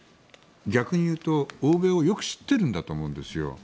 逆に言うと欧米をよく知っているんだと思うんですよ。